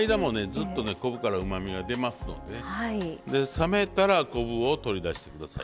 ずっとね昆布からうまみが出ますので冷めたら昆布を取り出してください。